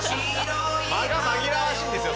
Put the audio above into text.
間が紛らわしいんですよ